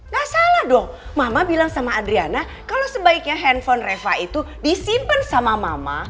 gak salah dong mama bilang sama adriana kalau sebaiknya handphone reva itu disimpan sama mama